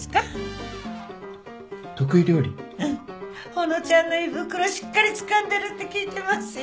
ほのちゃんの胃袋しっかりつかんでるって聞いてますよ。